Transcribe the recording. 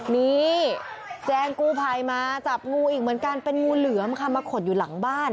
นี่แจ้งกู้ภัยมาจับงูอีกเหมือนกันเป็นงูเหลือมค่ะมาขดอยู่หลังบ้าน